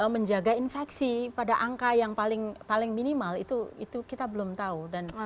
menjaga infeksi pada angka yang paling minimal itu kita belum tahu